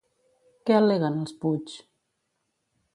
Què al·leguen els Puig?